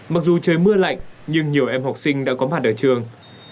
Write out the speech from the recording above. mặc dù trời mưa lạnh nhưng nhiều em học sinh đã có mặt ở trường